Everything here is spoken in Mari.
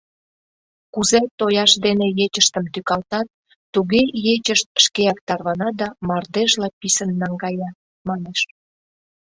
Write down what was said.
Кузе тояшт дене ечыштым тӱкалтат, туге ечышт шкеак тарвана да мардежла писын наҥгая, манеш.